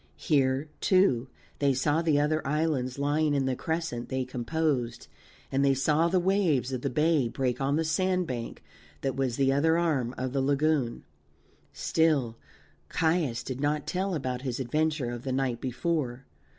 Here, too, they saw the other islands lying in the crescent they composed, and they saw the waves of the bay break on the sand bank that was the other arm of the lagoon. Still Caius did not tell about his adventure of the night before.